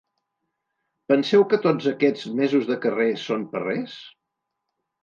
Penseu que tots aquests mesos de carrer són per res?